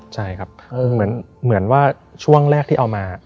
ใช่ครับเหมือนว่าช่วงแรกที่เอามา